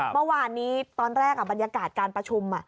เมื่อวานนี้ตอนแรกบรรยากาศการประชุม